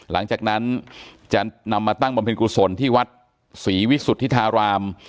หลังจากนั้นจะนำมาตั้งบำเพ็ญกุศลที่วัดศรีวิสุทธิธาราม